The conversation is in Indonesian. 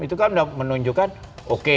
itu kan menunjukkan oke